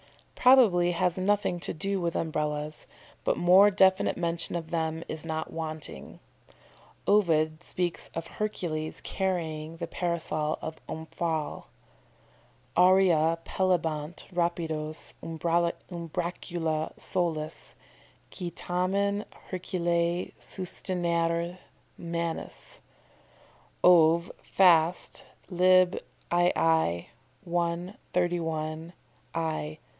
"] probably has nothing to do with Umbrellas, but more definite mention of them is not wanting. Ovid speaks of Hercules carrying the Parasol of Omphale: "Aurea pellebant rapidos umbracula soles, Quæ tamen Herculeæ sustinuere manus." Ov. Fast., lib. ii., 1. 31 I.